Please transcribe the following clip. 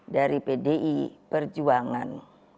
dari pdi perjuangan